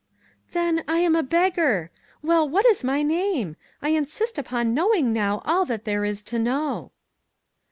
" Then, I am a beggar ! Well, what is my name? I insist upon knowing now all that there is to know."